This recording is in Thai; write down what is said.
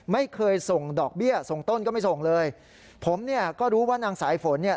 ไม่เคยส่งดอกเบี้ยส่งต้นก็ไม่ส่งเลยผมเนี่ยก็รู้ว่านางสายฝนเนี่ย